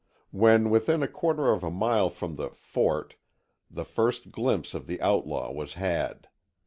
When within a quarter of a mile from the "fort," the first glimpse of the outlaw was had.